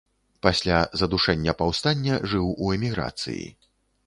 Пасля задушэння паўстання жыў у эміграцыі.